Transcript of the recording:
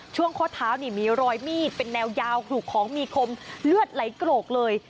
ข้อเท้านี่มีรอยมีดเป็นแนวยาวถูกของมีคมเลือดไหลโกรกเลย